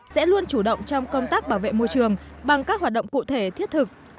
sẽ luôn chủ động trong công tác bảo vệ môi trường bằng các hoạt động cụ thể thiết thực